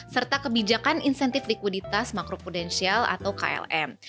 serta kebijakan insentif likuiditas makro prudensial atau klm